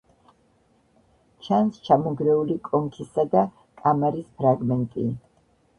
ჩანს ჩამონგრეული კონქისა და კამარის ფრაგმენტი.